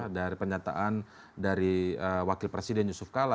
dari penyataan dari wakil presiden yusuf kala